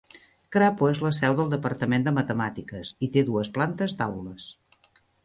Crapo és la seu del departament de Matemàtiques i té dues plantes d'aules.